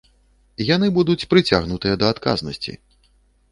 Яны будуць прыцягнутыя да адказнасці.